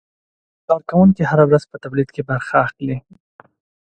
کارکوونکي هره ورځ په تولید کې برخه اخلي.